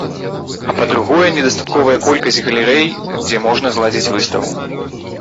А па-другое, недастатковая колькасць галерэй, дзе можна зладзіць выставу.